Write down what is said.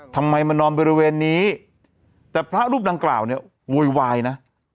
ทำไมมานอนบริเวณนี้แต่พระรูปดังกล่าวเนี่ยโวยวายนะ